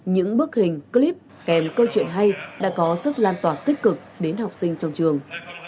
những bức hình clip kèm câu chuyện hay đã có sức lan tỏa tích cực đến học sinh trong trường